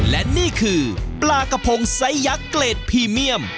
และนี่คือปลากระพงไซสยักษ์เกรดพรีเมียม